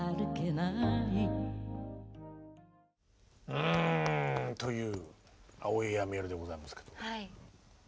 うんという「青いエアメイル」でございますけど。